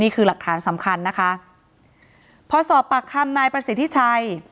หลักฐานสำคัญนะคะพอสอบปากคำนายประสิทธิชัย